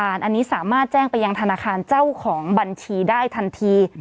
อันนี้สามารถแจ้งไปยังธนาคารเจ้าของบัญชีได้ทันที